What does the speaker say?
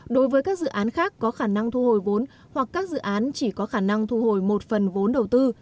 đối với các dự án khác có khả năng thu hồi vốn hoặc các dự án chỉ có khả năng thu hồi một phần vốn đầu tư